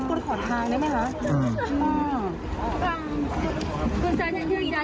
พุทธเต็มใจนะครับ